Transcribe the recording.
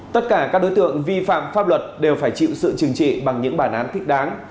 tất cả các đối tượng vi phạm pháp luật đều phải chịu sự chừng trị bằng những bản án thích đáng